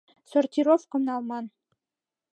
Сортировкым налман.